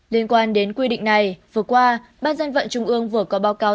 liên quan đến quy định này vừa qua ban dân vận trung ương vừa có báo cáo